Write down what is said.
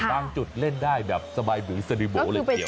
บ้างจุดเล่นได้แบบสบายเหมือนสนิมโมเลยเกี่ยว